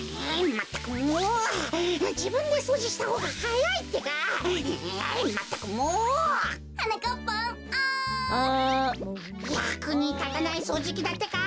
やくにたたないそうじきだってか。